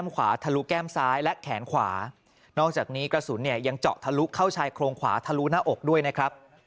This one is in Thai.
กระสุนยังเจาะทะลุเข้าชายโครงขวาทะลุหน้าอกด้วยนะครับ